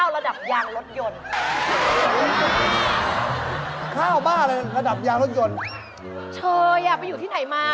ระดับมิชลิซ่า